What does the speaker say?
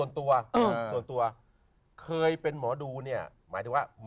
มันอยู่ที่ปากอยู่ที่จิตใจ